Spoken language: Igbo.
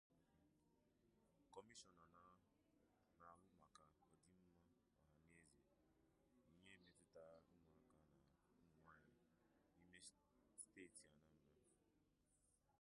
Kọmishọna na-ahụ maka ọdịmma ọhaneze na ihe metụtara ụmụaka na ụmụnwaanyị n'ime steeti Anambra